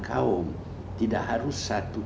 kaum tidak harus satu